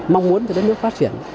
mong muốn cho đất nước phát triển